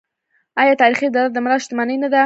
آیا تاریخي ابدات د ملت شتمني نه ده؟